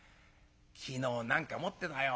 昨日何か持ってたよ。